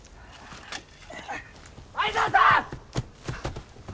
愛沢さん！